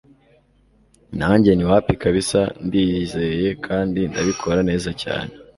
nanjye nti wapi kabsa ndiyizeye kandi ndabikora neza cyane